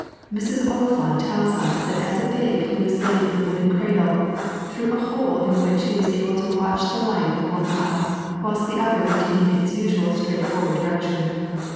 Mrs. Oliphant tells us that as a babe he was lead in a wooden cradle, through a hole in which he was able to watch the light with one eye, whilst the other retained its usual straightforward direction.